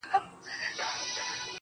مخ ځيني اړومه~